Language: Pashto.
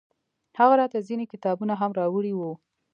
هغه راته ځينې کتابونه هم راوړي وو.